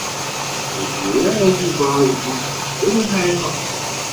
Ur d-yuri Yuba adlis, wala Naɛima u Ḥsen.